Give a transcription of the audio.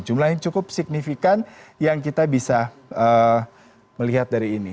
jumlah yang cukup signifikan yang kita bisa melihat dari ini